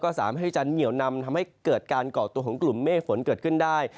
สามารถที่จะเหนียวนำทำให้เกิดการเกาะตัวของกลุ่มเมฆฝนเกิดขึ้นได้